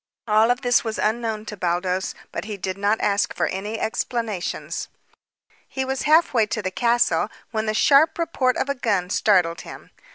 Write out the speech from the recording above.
All of this was unknown to Baldos, but he did not ask for any explanations. He was half way to the castle when the sharp report of a gun startled him.